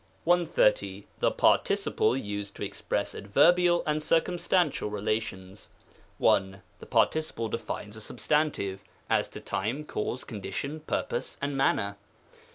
§130. The Participle used to express Adverbial AND Circumstantial Relations. 1. The participle defines a substantive, as to time, cause, condition, purpose, and manner.